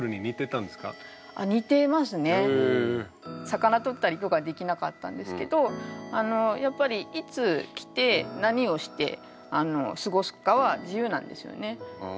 魚とったりとかできなかったんですけどあのやっぱりいつ来て何をしてあの過ごすかは自由なんですよね。